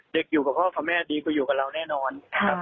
เด็กอยู่กับพ่อพ่อแม่ดีกว่าอยู่กับเราแน่นอน